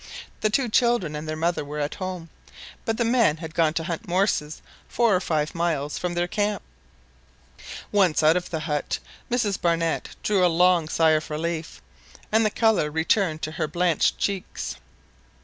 The two children and their mother were at home, but the men had gone to hunt morses four or five miles from their camp. Once out of the hut, Mrs Barnett drew a long sigh of relief, and the colour returned to her blanched cheeks.